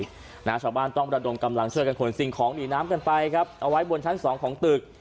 ชาวบ้านต้องระดมกำลังช่วยกันขนสิ่งของหนีน้ำกันไปครับเอาไว้บนชั้นสองของตึก